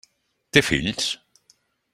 Té fills?